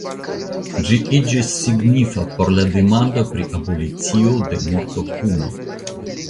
Ĝi iĝis signifa por la demando pri abolicio de mortopuno.